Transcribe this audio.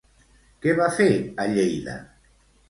Què va fer a Lleida?